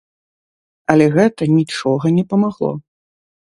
Але гэта нічога не памагло.